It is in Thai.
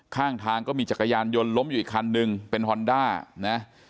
ข้างทางก็มีจักรยานยนต์ล้มอยู่อีกคันนึงเป็นฮอนด้านะ